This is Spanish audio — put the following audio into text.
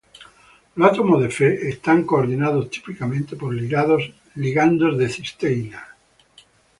Los átomos de Fe están coordinados típicamente por ligandos de cisteína.